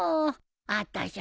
あたしゃ